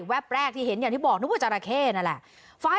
แรกที่เห็นอย่างที่บอกนึกว่าจราเข้นั่นแหละ